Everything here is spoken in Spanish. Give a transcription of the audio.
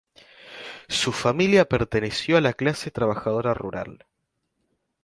Su familia perteneció a la clase trabajadora rural.